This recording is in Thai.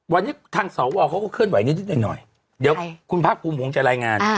วันนี้ทางสอวอเขาก็เคลื่อนไหวนิดนิดหน่อยหน่อยเดี๋ยวคุณพักภูมิผมจะรายงาน